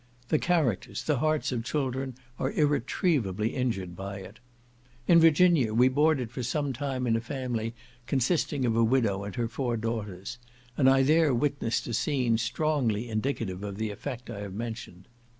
The characters, the hearts of children, are irretrievably injured by it. In Virginia we boarded for some time in a family consisting of a widow and her four daughters, and I there witnessed a scene strongly indicative of the effect I have mentioned.